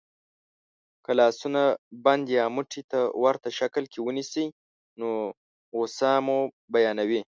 که لاسونه بند یا موټي ته ورته شکل کې ونیسئ نو غسه مو بیانوي.